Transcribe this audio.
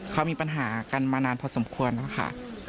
เขามีปัญหากันมานานพอสมควรแล้วค่ะ